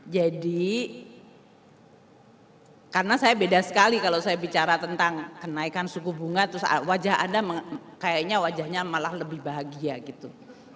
jadi karena saya beda sekali kalau saya bicara tentang kenaikan suku bunga terus wajah anda kayaknya wajahnya malah lebih bahagia gitu